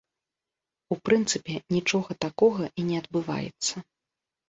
У прынцыпе, нічога такога і не адбываецца.